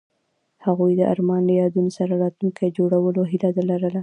هغوی د آرمان له یادونو سره راتلونکی جوړولو هیله لرله.